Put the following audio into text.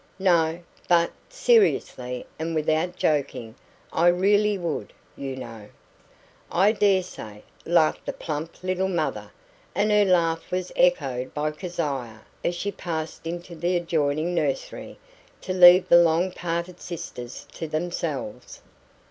"No, but, seriously and without joking, I really would, you know." "I daresay," laughed the plump little mother, and her laugh was echoed by Keziah as she passed into the adjoining nursery to leave the long parted sisters to themselves.